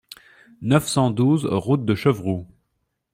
neuf cent douze route de Chevroux